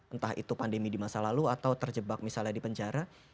entah itu pandemi di masa lalu atau terjebak misalnya di penjara